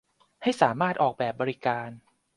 ให้สามารถออกแบบบริการ